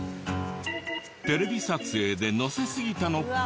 テレビ撮影でのせすぎたのか。